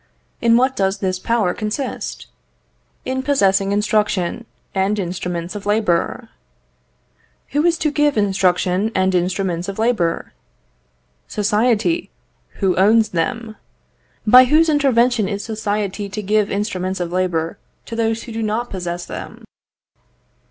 In what does this power consist? In possessing instruction and instruments of labour. Who is to give instruction and instruments of labour? Society, who owes them. By whose intervention is society to give instruments of labour to those who do not possess them?